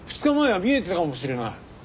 ２日前は見えてたかもしれない。